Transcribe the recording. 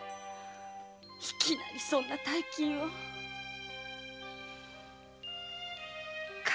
いきなりそんな大金を堪忍して。